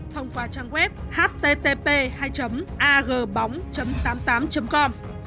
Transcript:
thông qua trang web http agbóng tám mươi tám com